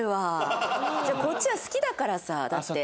こっちは好きだからさだって。